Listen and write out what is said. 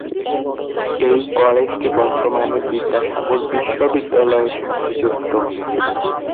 এই কলেজটি বর্তমানে বিদ্যাসাগর বিশ্ববিদ্যালয়ের সাথে যুক্ত।